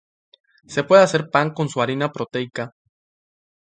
Se puede hacer pan con su harina proteica.